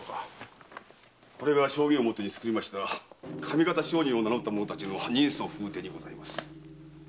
これが証言を元に作りました上方商人を名のった者たちの人相風体にございます。